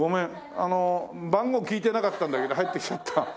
あの番号聞いてなかったんだけど入ってきちゃった。